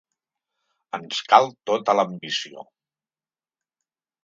Ens cal tota l’ambició.